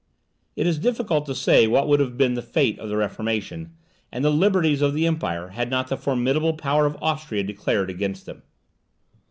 It is difficult to say what would have been the fate of the Reformation, and the liberties of the Empire, had not the formidable power of Austria declared against them.